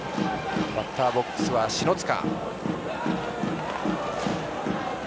バッターボックスは篠塚。